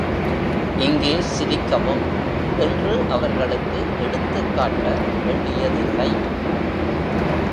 இங்கே சிரிக்கவும்! என்று அவர்களுக்கு எடுத்துக்காட்ட வேண்டியதில்லை.